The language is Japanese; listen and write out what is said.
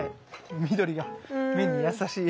緑が目に優しい。